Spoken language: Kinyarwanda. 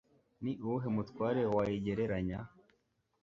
ni uwuhe mutware wayigereranya